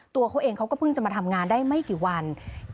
ตัวเขาเองเขาก็เพิ่งจะมาทำงานได้ไม่กี่วัน